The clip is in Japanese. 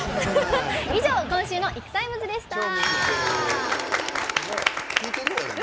以上、今週の「ＩＫＵＴＩＭＥＳ」でした。